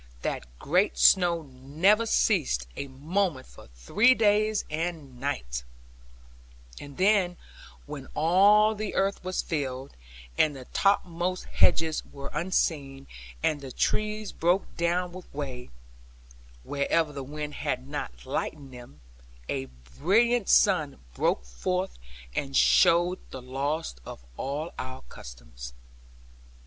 That great snow never ceased a moment for three days and nights; and then when all the earth was filled, and the topmost hedges were unseen, and the trees broke down with weight (wherever the wind had not lightened them), a brilliant sun broke forth and showed the loss of all our customs.